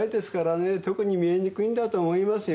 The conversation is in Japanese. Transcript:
特に見えにくいんだと思いますよ。